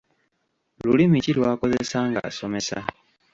Lulimi ki lw’akozesa ng’asomesa?